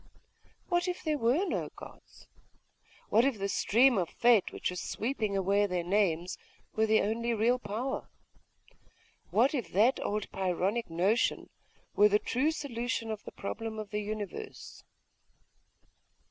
What if there were no gods? What if the stream of fate, which was sweeping away their names; were the only real power? What if that old Pyrrhonic notion were the true solution of the problem of the Universe?